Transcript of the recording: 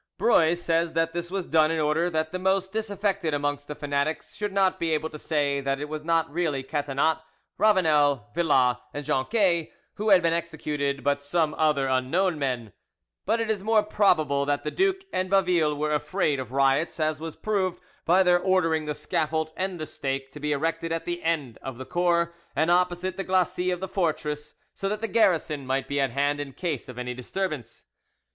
Brueys says that this was done in order that the most disaffected amongst the fanatics should not be able to say that it was not really Catinat, Ravanel, Villas, and Jonquet who had been executed but some other unknown men; but it is more probable that the duke and Baville were afraid of riots, as was proved by their ordering the scaffold and the stake to be erected at the end of the Cours and opposite the glacis of the fortress, so that the garrison might be at hand in case of any disturbance.